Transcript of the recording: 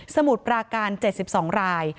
มุดปราการ๗๒ราย